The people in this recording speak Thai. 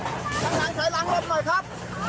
นี่ครับอย่าเข้าไปดิขอให้หลังรถผมหน่อยครับ